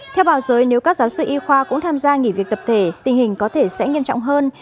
theo báo giới nếu các giáo sư y khoa cũng tham gia nghỉ việc tập thể tình hình có thể sẽ nghiêm trọng hơn